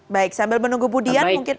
baik sambil menunggu bu dian mungkin